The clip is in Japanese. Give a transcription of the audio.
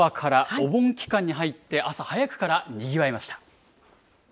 お盆期間に入って朝早くからにぎわいました。